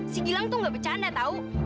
si gilang tuh gak bercanda tau